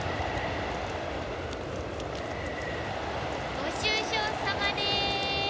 ご愁傷さまでーす。